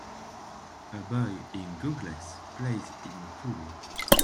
A boy in goggles plays in a pool.